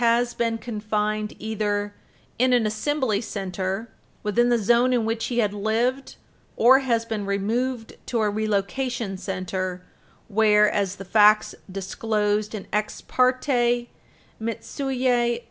231 been confined either in an Assembly Center within the zone in which he had lived or has been removed to a Relocation Center where, as the facts disclosed in Ex parte Endo (post, p.